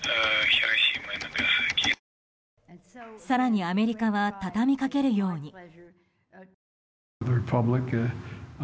更にアメリカは畳みかけるように。